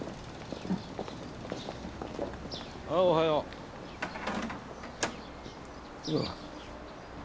おはよう。